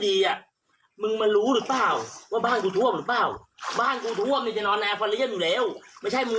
นี่มึงคิดดูนะแล้วกูจะมายให้กูเดินค่าเดียวแม่นู้น